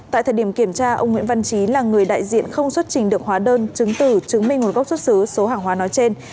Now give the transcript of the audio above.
tại thời điểm kiểm tra ông nguyễn văn trí là người đại diện không xuất trình được hóa đơn chứng tử chứng minh nguồn gốc xuất xứ số hàng hóa nói trên